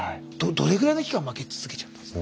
どれぐらいの期間負け続けちゃったんですか。